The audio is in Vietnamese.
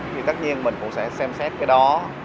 thì tất nhiên mình cũng sẽ xem xét cái đó